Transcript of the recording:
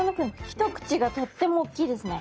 一口がとっても大きいですね。